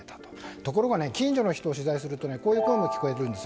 ところが近所の人を取材するとこういう声も聞こえます。